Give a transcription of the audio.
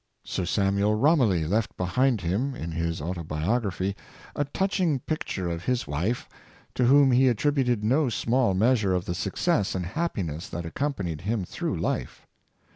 Sir Samuel Romilly left behind him, in his Autobiog raphy, a touching picture of his wife, to whom he at tributed no small measure of the success and happiness that accompanied him through life.